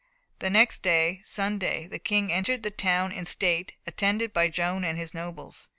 The next day, Sunday, the King entered the town in state, attended by Joan and his nobles.